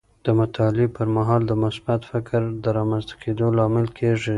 د مطالعې پر مهال د مثبت فکر د رامنځته کیدو لامل کیږي.